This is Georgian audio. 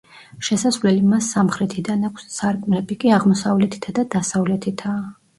შესასვლელი მას სამხრეთიდან აქვს, სარკმლები კი აღმოსავლეთითა და დასავლეთითაა.